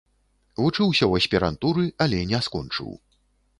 Вучыўся ў аспірантуры, але не скончыў.